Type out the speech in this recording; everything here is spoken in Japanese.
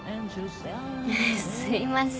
すいません。